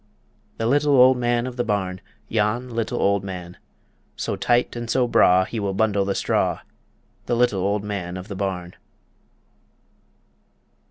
The Little Old Man of the Barn, Yon Little Old Man So tight and so braw he will bundle the straw The Little Old Man of the Barn.